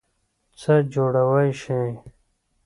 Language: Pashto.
څه جوړوئ شی؟